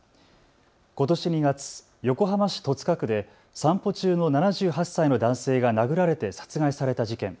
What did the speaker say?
ことし２月、横浜市戸塚区で散歩中の７８歳の男性が殴られて殺害された事件。